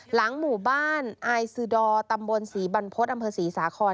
หลังหมู่บ้านอายซือดอร์ตำบลศรีบรรพฤษอำเภอศรีสาคร